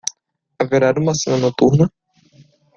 Haverá uma cena noturna?